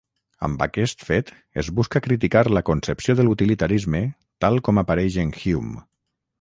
Amb aquest fet es busca criticar la concepció de l'utilitarisme tal com apareix en Hume.